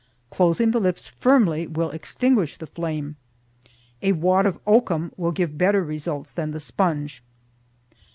Closing the lips firmly will extinguish the flame. A wad of oakum will give better results than the sponge.